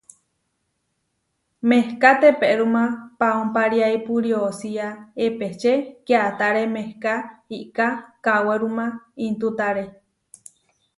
Mehká teperúma paúmpariaipu riosía epečé kiatáre mehká iká kaweruma intútare.